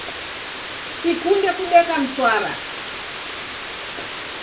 Sikunde kudeka mswara.